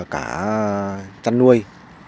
cả chăn nuôi